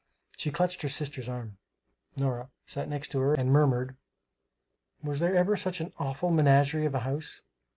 She clutched her sister's arm Nora sat next to her and murmured, "Was there ever such an awful menagerie of a house?"